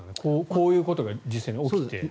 こういうことが実際に起きて。